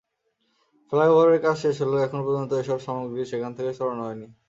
ফ্লাইওভারের কাজ শেষ হলেও এখন পর্যন্ত এসব সামগ্রী সেখান থেকে সরানো হয়নি।